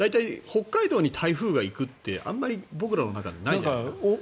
北海道に台風が行くってあんまり僕らの中でないじゃない。